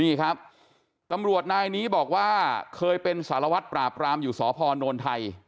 นี่ครับตำรวจนายนี้บอกว่าเคยเป็นสารวัตรปราบรามอยู่สพนไทย